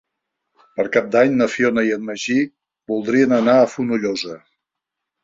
Per Cap d'Any na Fiona i en Magí voldrien anar a Fonollosa.